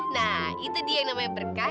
nah itu dia yang namanya berkah